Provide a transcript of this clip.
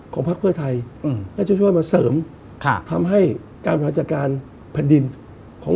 ผมเองกับคุณอุ้งอิ๊งเองเราก็รักกันเหมือนพี่เหมือนน้อง